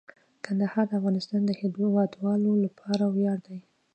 کندهار د افغانستان د هیوادوالو لپاره ویاړ دی.